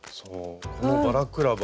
このバラクラバ